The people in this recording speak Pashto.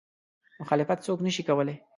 مخالفت څوک نه شي کولی.